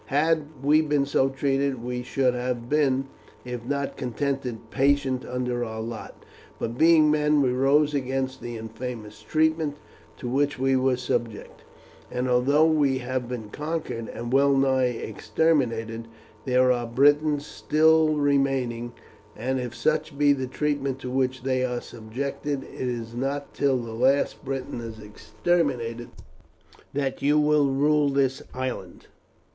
Had we been so treated we should have been, if not contented, patient under our lot, but being men we rose against the infamous treatment to which we were subject; and although we have been conquered and well nigh exterminated, there are Britons still remaining, and if such be the treatment to which they are subjected it is not till the last Briton is exterminated that you will rule this island."